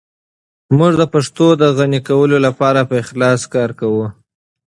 موږ د پښتو د غني کولو لپاره په اخلاص کار کوو.